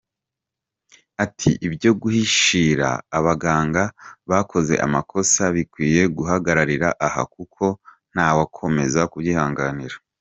Ati "Ibyo guhishira abaganga bakoze amakosa bikwiye guhagararira aha, kuko ntawakomeza kubyihanganira.